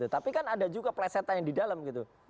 tapi kan ada juga plesetanya di dalam gitu